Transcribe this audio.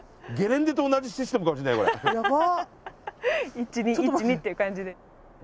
１２１２っていう感じで。